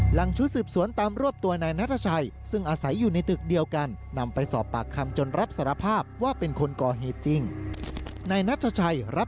หลังชุดสืบสวนตามรวบตัวนายนัทชัย